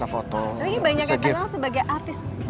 tapi ini banyak yang kenal sebagai artis